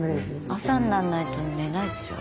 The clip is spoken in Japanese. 朝になんないと寝ないですよ